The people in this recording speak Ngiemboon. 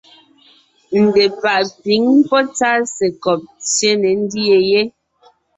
Ndepàʼ pǐŋ pɔ́ tsásekɔb tsyé ne ńdyê yé.